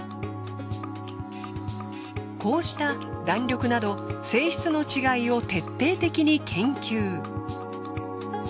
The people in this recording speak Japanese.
こうした弾力など性質の違いを徹底的に研究。